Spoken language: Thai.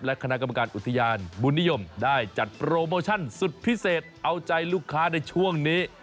และคณะกรรมการอุทยานบุญนิยมได้จัดโปรโมชั่นสุดพิเศษเอาใจลูกค้าในช่วงนี้